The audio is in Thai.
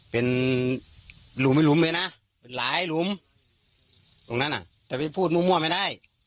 เป็นหลุมเป็นหลุมเลยนะเป็นหลายหลุมตรงนั้นอ่ะแต่ไปพูดมั่วไม่ได้